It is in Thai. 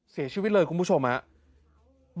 เสียชีวิตเลยคุณผู้ชมครับ